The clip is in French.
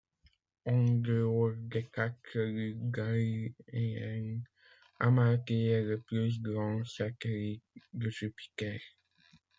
En dehors des quatre lunes galiléennes, Amalthée est le plus grand satellite de Jupiter.